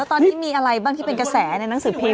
ตอนนี้มีอะไรบ้างที่เป็นกระแสในหนังสือพิม